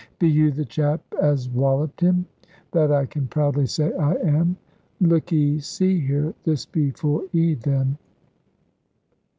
"Be you the chap as wolloped him?" "That I can proudly say I am." "Look 'e see, here, this be for 'e, then!"